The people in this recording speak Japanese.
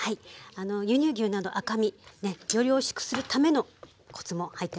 輸入牛など赤身ねよりおいしくするためのコツも入ってますので。